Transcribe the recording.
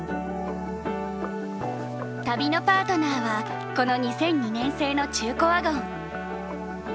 旅のパートナーはこの２００２年製の中古ワゴン。